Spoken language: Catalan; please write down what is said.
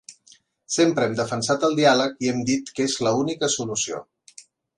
Sempre hem defensat el diàleg i hem dit que és la única solució.